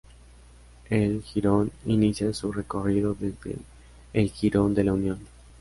El jirón inicia su recorrido desde el Jirón de la Unión.